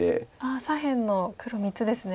左辺の黒３つですね。